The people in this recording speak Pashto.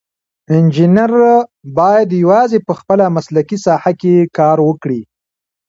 انجینر باید یوازې په خپله مسلکي ساحه کې کار وکړي.